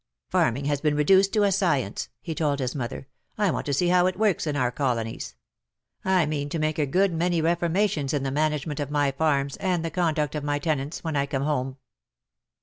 '^ Farming has been reduced to a science,^^ he told his mother ;" I want to see how it works in our colonies. I mean to make a good many reforma tions in the management of my farms and the conduct of my tenants when I come home.